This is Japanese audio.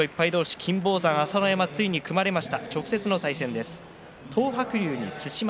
金峰山、朝乃山の取組が組まれました。